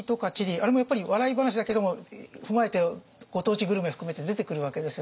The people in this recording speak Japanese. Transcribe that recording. あれもやっぱり笑い話だけども踏まえてご当地グルメ含めて出てくるわけですよね。